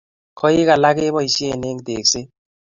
Koik alak keboishie eng tekset